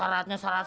jangan diasah atp